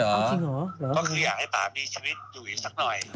ก็คืออยากให้ป่ามีชีวิตอยู่อีกสักหน่อย